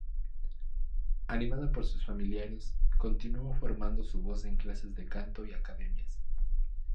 Animada por sus familiares, continuó formando su voz en clases de canto y academias.